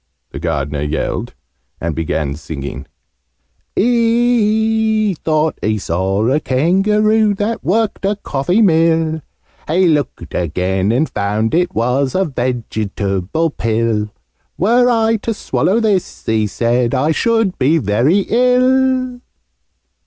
the Gardener yelled, and began singing: "He thought he saw a Kangaroo That worked a coffee mill: He looked again, and found it was A Vegetable pill 'Were I to swallow this,' he said, 'I should be very ill!'"